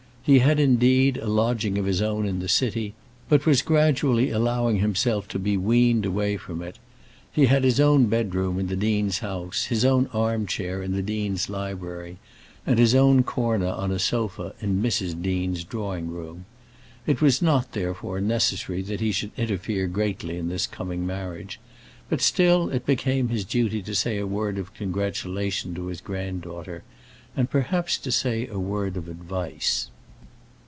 He had, indeed, a lodging of his own in the city, but was gradually allowing himself to be weaned away from it. He had his own bedroom in the dean's house, his own arm chair in the dean's library, and his own corner on a sofa in Mrs. Dean's drawing room. It was not, therefore, necessary that he should interfere greatly in this coming marriage; but still it became his duty to say a word of congratulation to his granddaughter, and perhaps to say a word of advice.